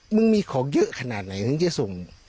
มึงมีของเยอะขนาดไหนมึงจะส่ง